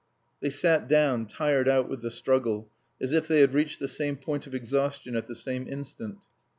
They sat down, tired out with the struggle, as if they had reached the same point of exhaustion at the same instant.